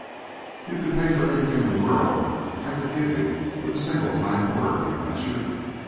"You could pay for anything in the world I could give you, with a single kind word," he ventured.